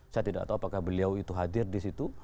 saya tidak tahu apakah beliau itu hadir disitu